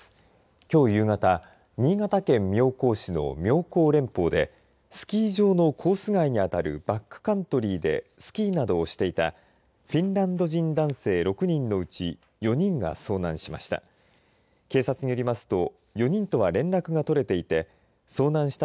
きょう夕方新潟県妙高市の妙高連峰でバックカントリーでスキーなどをしていた外国人のフィンランド人男性の４人のうち２人が遭難しました。